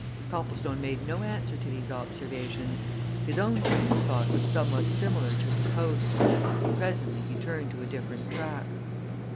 Copplestone made no answer to these observations. His own train of thought was somewhat similar to his host's. And presently he turned to a different track.